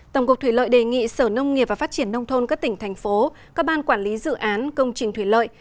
tổng cục thủy lợi đề nghị sở nông nghiệp và phát triển nông thôn các tỉnh thành phố các ban quản lý dự án công trình thủy lợi